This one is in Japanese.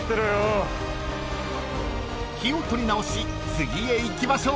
［気を取り直し次へいきましょう］